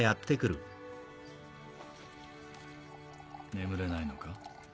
眠れないのか？